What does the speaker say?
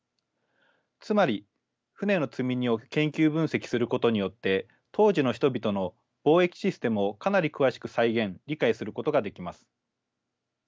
つまり船の積み荷を研究分析することによって当時の人々の貿易システムをかなり詳しく再現理解することができます。